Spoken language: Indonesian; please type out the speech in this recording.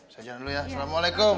saya jangan dulu ya assalamualaikum